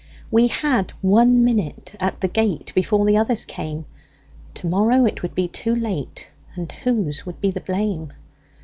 We had one minute at the gate, Before the others came; To morrow it would be too late, And whose would be the blame!